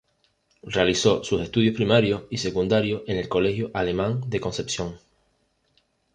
Realizó sus estudios primarios y secundarios en el Colegio Alemán de Concepción.